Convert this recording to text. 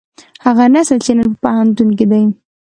هغه نسل چې نن په پوهنتون کې دی.